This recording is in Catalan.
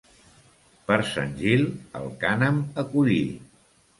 Per Sant Gil, el cànem a collir.